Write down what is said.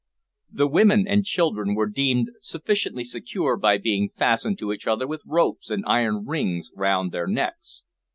The women and children were deemed sufficiently secure by being fastened to each other with ropes and iron rings round their necks.